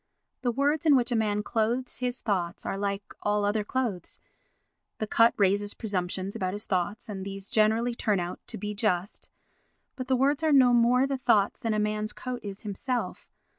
The words in which a man clothes his thoughts are like all other clothes—the cut raises presumptions about his thoughts, and these generally turn out to be just, but the words are no more the thoughts than a man's coat is himself.